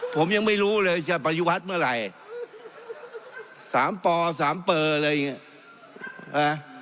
ผมยังไม่รู้เลยจะปฏิวัติเมื่อไหร่สามปอสามเปอร์อะไรอย่างเงี้ยนะ